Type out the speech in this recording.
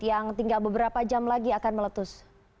yang tinggal beberapa jam lagi akan meletus